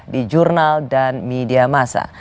di jurnal dan media masa